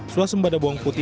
swasembada bawang putih